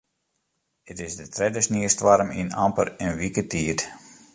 It is de tredde sniestoarm yn amper in wike tiid.